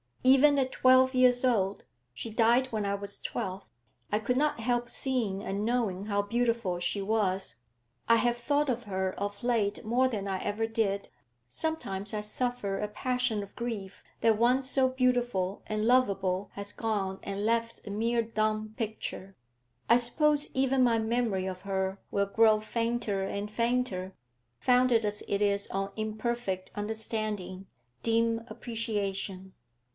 Even at twelve years old (she died when I was twelve) I could not help seeing and knowing how beautiful she was. I have thought of her of late more than I ever did; sometimes I suffer a passion of grief that one so beautiful and lovable has gone and left a mere dumb picture. I suppose even my memory of her will grow fainter and fainter, founded as it is on imperfect understanding, dim appreciation.